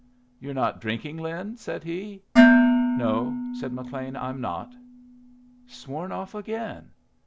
"You're not drinking, Lin," said he. "No," said McLean, "I'm not." "Sworn off again?